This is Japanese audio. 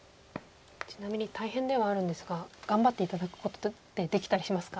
ちなみに大変ではあるんですが頑張って頂くことってできたりしますか？